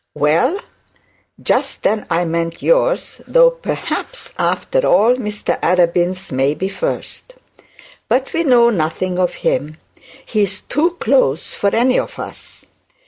'Well, just then I meant yours, though perhaps, after all, Mr Arabin's may be first. But we know nothing of him. He is too close for any of us.